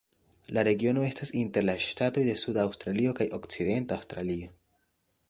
La regiono estas inter la ŝtatoj de Suda Aŭstralio kaj Okcidenta Aŭstralio.